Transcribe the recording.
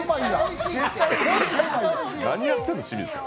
何やってるの、志水さん。